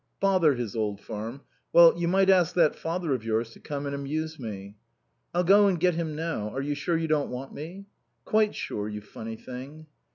"Bother his old farm. Well you might ask that father of yours to come and amuse me." "I'll go and get him now. Are you sure you don't want me?" "Quite sure, you funny thing."